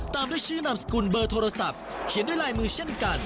ตามด้วยชื่อนามสกุลเบอร์โทรศัพท์เขียนด้วยลายมือเช่นกัน